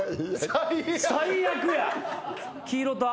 最悪や。